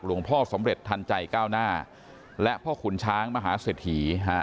หลวงพ่อสมเร็จทันใจเก้าหน้าและพ่อขุนช้างมหาเสถียฮะ